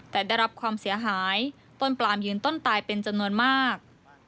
แต่ได้รับความเสียหายต้นปลามยืนต้นตายเป็นจำนวนมาก